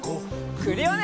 クリオネ！